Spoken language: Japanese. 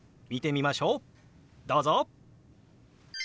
どうぞ！